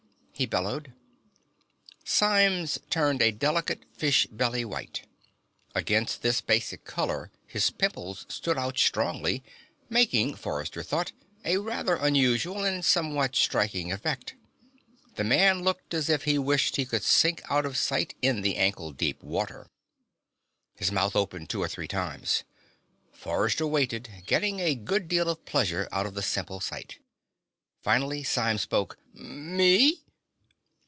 he bellowed. Symes turned a delicate fish belly white. Against this basic color, his pimples stood out strongly, making, Forrester thought, a rather unusual and somewhat striking effect. The man looked as if he wished he could sink out of sight in the ankle deep water. His mouth opened two or three times. Forrester waited, getting a good deal of pleasure out of the simple sight. Finally Symes spoke. "Me?"